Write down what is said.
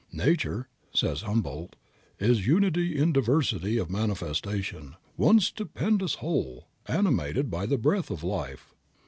"Nature," says Humboldt, "is Unity in diversity of manifestation, one stupendous whole, animated by the breath of life."